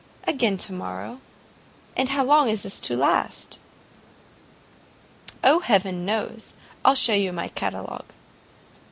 "Again to morrow? and how long is this to last?" "O, heaven knows; I'll shew you my catalogue."